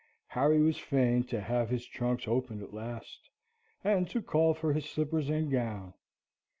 Harry was fain to have his trunks open at last, and to call for his slippers and gown.